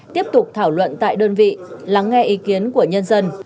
tiếp tục thảo luận tại đơn vị lắng nghe ý kiến của nhân dân